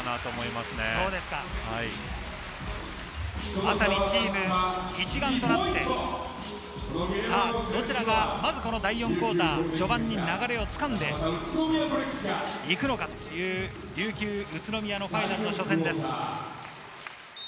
まさにチーム一丸となって、どちらが、まずこの第４クオーター序盤に流れを掴んで行くのかという琉球、宇都宮のファイナルの初戦です。